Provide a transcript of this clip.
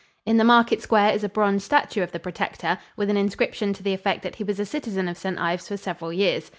In the market square is a bronze statue of the Protector, with an inscription to the effect that he was a citizen of St. Ives for several years.